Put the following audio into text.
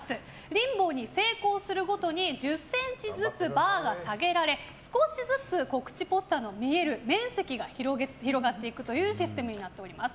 リンボーに成功するごとに１０ｃｍずつバーが下げられ少しずつ告知ポスターが見える面積が広がっていくというシステムになっています。